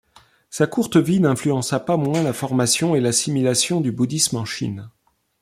Sa courte vie n'influença pas moins la formation et l'assimilation du bouddhisme en Chine.